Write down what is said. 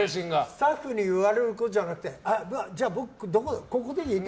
スタッフに言われてじゃなくてじゃあ僕、ここでいい？